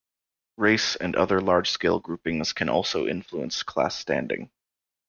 Race and other large-scale groupings can also influence class standing.